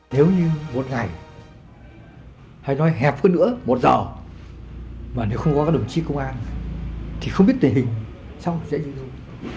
nếu như một ngày hay nói hẹp hơn nữa một giờ mà nếu không có các đồng chí công an thì không biết tình hình sau sẽ như thế nào